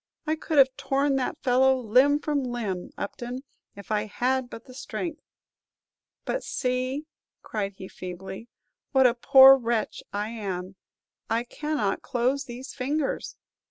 I could have torn that fellow limb from limb, Upton, if I had but the strength! But see," cried he, feebly, "what a poor wretch I am; I cannot close these fingers!"